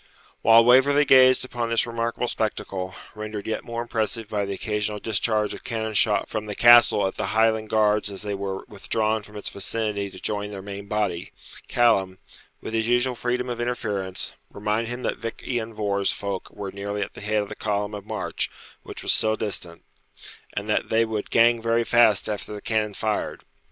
While Waverley gazed upon this remarkable spectacle, rendered yet more impressive by the occasional discharge of cannon shot from the Castle at the Highland guards as they were withdrawn from its vicinity to join their main body, Callum, with his usual freedom of interference, reminded him that Vich lan Vohr's folk were nearly at the head of the column of march which was still distant, and that 'they would gang very fast after the cannon fired.'